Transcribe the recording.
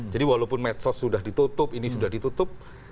jadi walaupun medsos sudah ditutup ini sudah ditutup